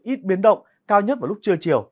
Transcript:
ít biến động cao nhất vào lúc trưa chiều